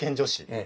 ええ。